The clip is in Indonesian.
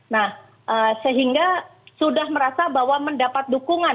nah sehingga sudah merasa bahwa mendapat dukungan